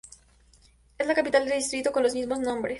Es la capital del distrito con el mismo nombre.